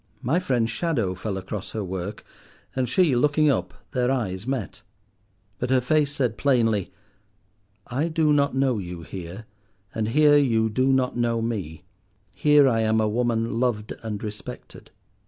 My friend's shadow fell across her work, and she looking up, their eyes met; but her face said plainly, "I do not know you here, and here you do not know me. Here I am a woman loved and respected."